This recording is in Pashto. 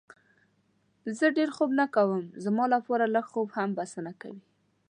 زه ډېر خوب نه کوم، زما لپاره لږ خوب هم بسنه کوي.